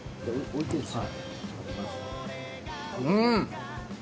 うん。